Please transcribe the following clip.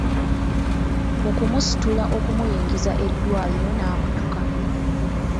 Mu kumusitula okumuyingiza eddwaliro n’akutuka.